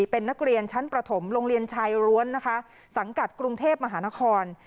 เป็นนักเรียนชั้นประถมโรงเรียนชายร้วนนะคะสังกัดกรุงเทพมหานคร